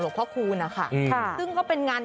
หลวงพ่อครูนะคะซึ่งก็เป็นงาน